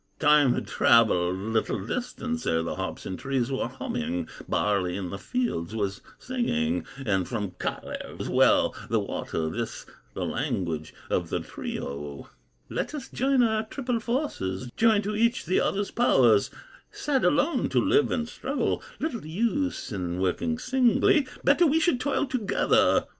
"Time had travelled little distance, Ere the hops in trees were humming, Barley in the fields was singing, And from Kalew's well the water, This the language of the trio: 'Let us join our triple forces, Join to each the other's powers; Sad alone to live and struggle, Little use in working singly, Better we should toil together.